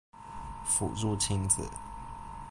輔助親子